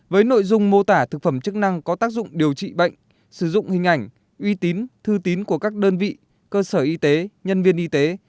với nội dung mô tả thực phẩm chức năng có tác dụng điều trị bệnh sử dụng hình ảnh uy tín thư tín của các đơn vị cơ sở y tế nhân viên y tế